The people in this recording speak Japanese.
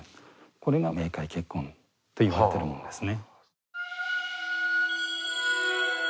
これが冥界結婚といわれてるものですね。